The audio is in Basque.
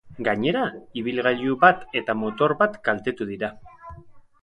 Gainera, ibilgailu bat eta motor bat kaltetu dira.